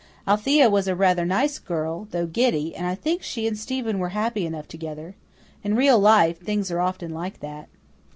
Althea was a rather nice girl, though giddy, and I think she and Stephen were happy enough together. In real life things are often like that.